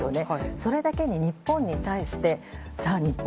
それだけに日本に対してさあ、日本。